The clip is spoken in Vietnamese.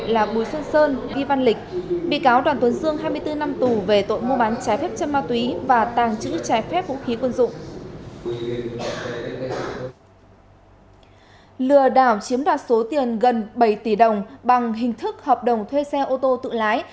lừa đảo chiếm đoạt số tiền gần bảy tỷ đồng bằng hình thức hợp đồng thuê xe ô tô tự lái